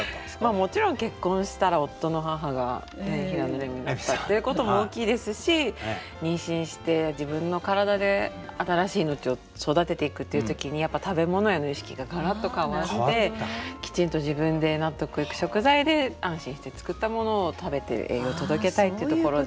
もちろん結婚したら夫の母が平野レミだったっていうことも大きいですし妊娠して自分の体で新しい命を育てていくっていう時にやっぱ食べ物への意識ががらっと変わってきちんと自分で納得いく食材で安心して作ったものを食べて栄養届けたいっていうところで。